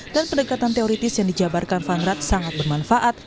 dan pendekatan teoritis yang dijabarkan van raat sangat bermanfaat